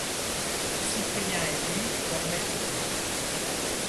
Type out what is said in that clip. Cyprien et Lî dormaient toujours.